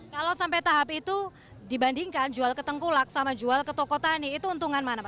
kalau sampai tahap itu dibandingkan jual ke tengkulak sama jual ke toko tani itu untungan mana pak